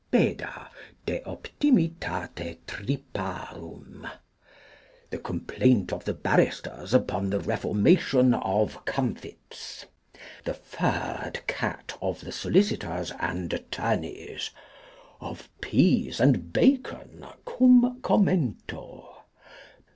Beda de optimitate triparum. The Complaint of the Barristers upon the Reformation of Comfits. The Furred Cat of the Solicitors and Attorneys. Of Peas and Bacon, cum Commento.